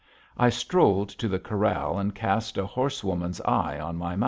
I strolled to the corral and cast a horsewoman's eye on my mount.